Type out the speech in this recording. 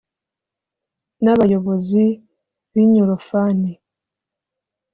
n’abayobozi b’inyorofani